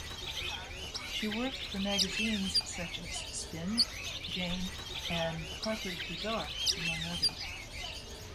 She worked for magazines such as "Spin", "Jane" and "Harper's Bazaar", among others.